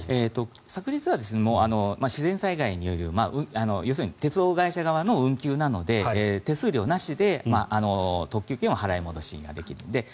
昨日は自然災害による鉄道会社側の運休なので手数料なしで特急券は払い戻しができる。